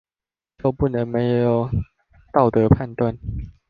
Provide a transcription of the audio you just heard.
就不能沒有道德判斷